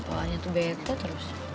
pokoknya tuh beto terus